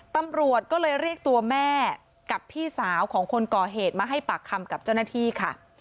ตำรวจก็เลยเรียกตัวแม่กับพี่สาวของคนก่อเหตุมาให้ปากคำกับเจ้าหน้าที่ค่ะ